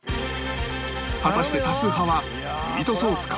果たして多数派はミートソースか？